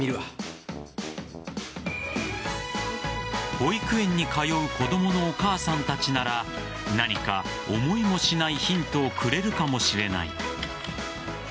保育園に通う子供のお母さんたちなら何か思いもしないヒントをくれるかもしれない。